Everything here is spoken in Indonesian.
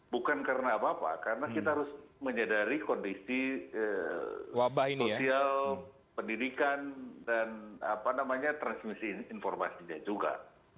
bukan karena apa apa karena kita harus menyadari kondisi sosial pendidikan dan transmisi informasinya juga